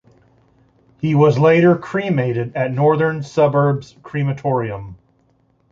He was later cremated at Northern Suburbs Crematorium.